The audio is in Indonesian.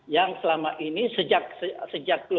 yang selama ini sejak kelemah kedua mengalami burn out